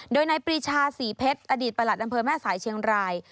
โดยนายปรีชาศรีเพชรอดีตประหลัดอำเภอแม่สายเชียงราย